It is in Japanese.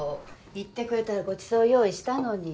言ってくれたらごちそう用意したのに。